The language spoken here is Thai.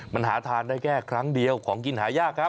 มันหาทานได้แค่ครั้งเดียวของกินหายากครับ